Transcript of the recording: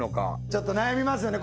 ちょっと悩みますよね。